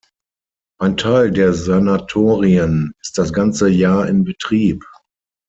Ein Teil der Sanatorien ist das ganze Jahr in Betrieb.